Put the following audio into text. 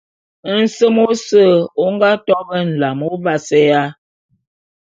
Nsem ôse ô nga to be nlam ô vaseya.